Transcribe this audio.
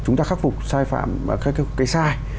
chúng ta khắc phục sai phạm cái sai